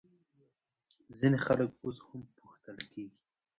ځینې خلک اوس هم پوښتل کوي.